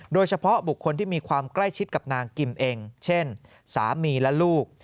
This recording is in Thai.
โดยเฉพาะบุคคลที่มีความใกล้ชิดกับนางกิมเองเช่นสามีและลูก